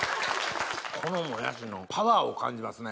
このもやしのパワーを感じますね